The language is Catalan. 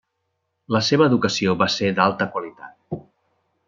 La seva educació va ser d'alta qualitat.